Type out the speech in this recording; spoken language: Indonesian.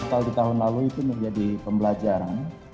total di tahun lalu itu menjadi pembelajaran